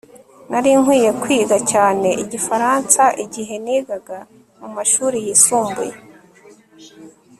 Nari nkwiye kwiga cyane igifaransa igihe nigaga mumashuri yisumbuye